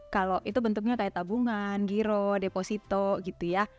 kalau itu bentuknya kayak tabungan giro deposito gitu ya